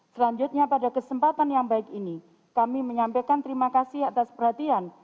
selanjutnya pada kesempatan yang baik ini kami menyampaikan terima kasih atas perhatian